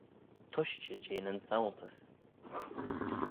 Tushtey jeh nyn saualtys.